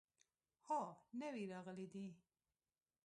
هو، نوي راغلي دي